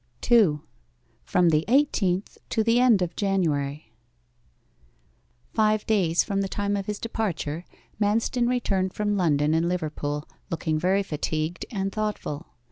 2. FROM THE EIGHTEENTH TO THE END OF JANUARY Five days from the time of his departure, Manston returned from London and Liverpool, looking very fatigued and thoughtful.